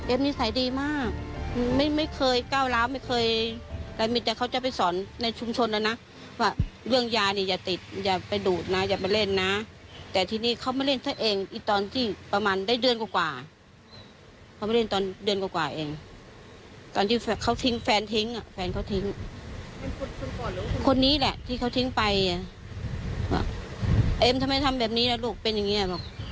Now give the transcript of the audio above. เอ็มทำไมทำแบบนี้นะลูกเป็นอย่างนี้ผมโดนแฟนทิ้งผมก็เลย